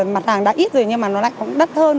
mặt hàng đã ít rồi nhưng mà nó lại cũng đắt hơn